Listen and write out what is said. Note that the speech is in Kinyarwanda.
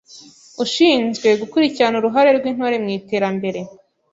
Ushinzwe gukurikirana uruhare rw’Intore mu iterambere;